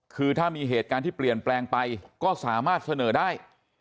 คือถ้ามีเหตุการณ์ที่เปลี่ยนแปลงไปก็สามารถเสนอได้